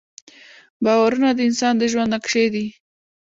باورونه د انسان د ژوند نقشې دي.